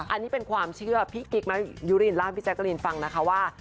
อันนี้เป็นความเชื่อพี่กิ๊กมะยุรีนเล่าให้พี่แจกรีนฟังนะคะว่า